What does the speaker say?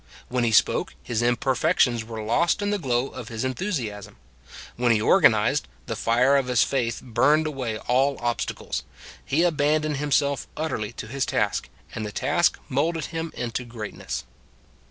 When he spoke, his imperfections were lost in the glow of his enthusiasm. When he organized, the fire of his faith burned away all obstacles. He abandoned himself utterly to his task; and the task molded him into greatness."